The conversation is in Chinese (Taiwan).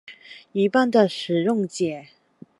一半的使用者